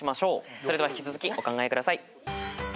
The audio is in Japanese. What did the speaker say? それでは引き続きお考えください。